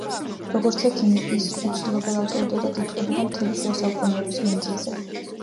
როგორც ექიმი, ის უცილობელ ავტორიტეტად ითვლებოდა მთელი შუა საუკუნეების მანძილზე.